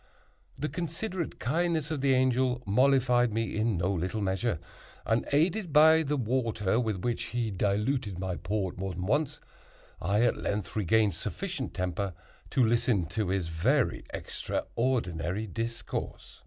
The considerate kindness of the Angel mollified me in no little measure; and, aided by the water with which he diluted my Port more than once, I at length regained sufficient temper to listen to his very extraordinary discourse.